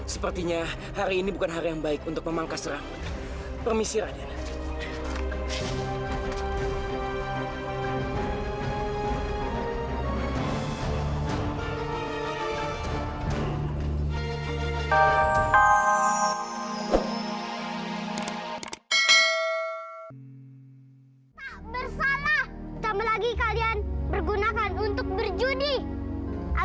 sampai jumpa di video selanjutnya